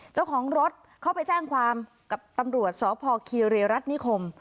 เจ้าของรถเข้าไปแจ้งความกับตำรวจสพคีเรรัฐนิคม